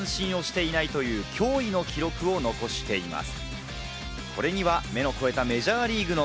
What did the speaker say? さらに一度も三振をしていないという驚異の記録を残しています。